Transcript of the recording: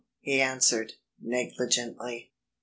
he answered, negligently.